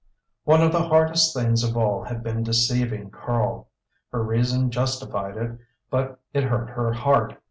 One of the hardest things of all had been deceiving Karl. Her reason justified it, but it hurt her heart.